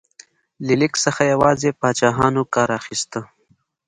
له لیک څخه یوازې پاچاهانو کار اخیسته.